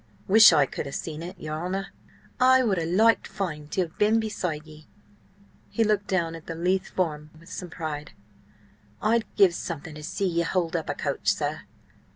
"Wish I could have seen it, your honour. I would ha' liked fine to ha' been beside ye." He looked down at the lithe form with some pride. "I'd give something to see ye hold up a coach, sir!"